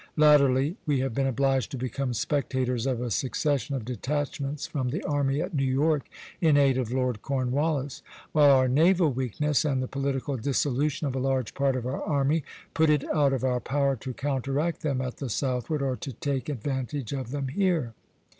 Latterly we have been obliged to become spectators of a succession of detachments from the army at New York in aid of Lord Cornwallis; while our naval weakness, and the political dissolution of a large part of our army, put it out of our power to counteract them at the southward, or to take advantage of them here."